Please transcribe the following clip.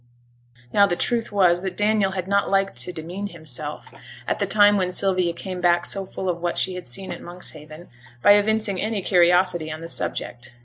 Now the truth was, that Daniel had not liked to demean himself, at the time when Sylvia came back so full of what she had seen at Monkshaven, by evincing any curiosity on the subject.